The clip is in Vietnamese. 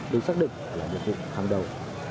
được xác định là nhiệm vụ tham đầu